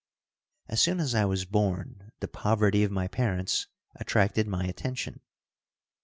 As soon as I was born the poverty of my parents attracted my attention.